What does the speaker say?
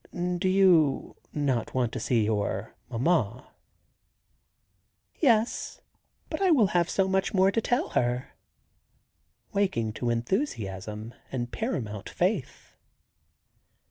"Do you not want to see your mamma?" "Yes, but I will have so much more to tell her," waking to enthusiasm and paramount faith.